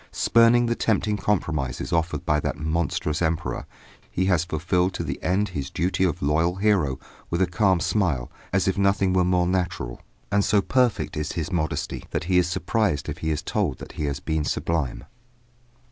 Spurning the tempting compromises offered by that monstrous emperor, he has fulfilled to the end his duty of loyal hero with a calm smile, as if nothing were more natural. And so perfect is his modesty that he is surprised if he is told that he has been sublime.